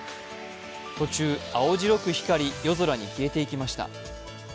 途中、青白く光り夜空に消えていきました。